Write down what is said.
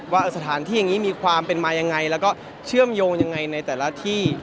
ว่าสถานที่อย่างนี้มีความเป็นมายังไงแล้วก็เชื่อมโยงยังไงในแต่ละที่